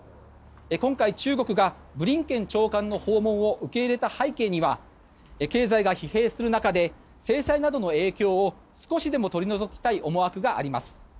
今回、中国がブリンケン長官の訪問を受け入れた背景には経済が疲弊する中で制裁などの影響を少しでも取り除きたい思惑があります。